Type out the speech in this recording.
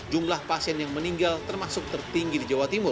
jumlah pasien yang meninggal termasuk tertiga